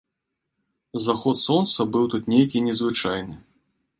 Заход сонца быў тут нейкі незвычайны.